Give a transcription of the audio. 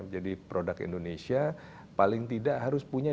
jadi produk indonesia paling tidak harus punya